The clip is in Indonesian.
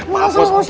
masa pak ustadz